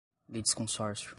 litisconsórcio